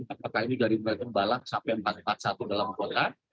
apakah ini dari empat ratus dua puluh satu dalam kota